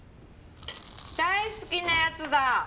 大好きなやつだ！